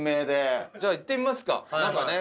じゃあ行ってみますか中ね。